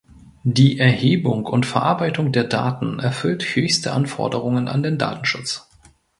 Die Erhebung und Verarbeitung der Daten erfüllt höchste Anforderungen an den Datenschutz.